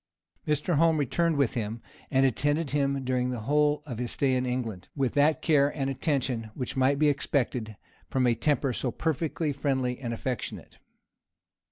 Mr. Home returned with him, and attended him during the whole of his stay in England, with that care and attention which might be expected from a temper so perfectly friendly and affectionate.